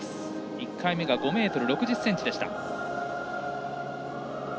１回目が５ｍ６０ｃｍでした。